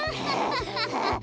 ハハハハ。